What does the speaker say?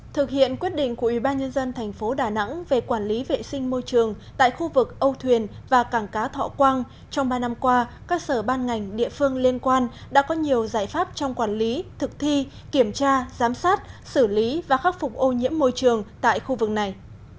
thực hiện quyết định của ủy ban nhân dân thành phố đà nẵng về quản lý vệ sinh môi trường tại khu vực âu thuyền và cảng cá thọ quang trong ba năm qua các sở ban ngành địa phương liên quan đã có nhiều giải pháp trong quản lý thực thi kiểm tra giám sát xử lý và khắc phục ô nhiễm môi trường tại khu vực này